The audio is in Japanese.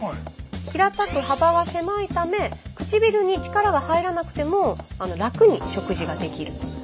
平たく幅が狭いため唇に力が入らなくても楽に食事ができる。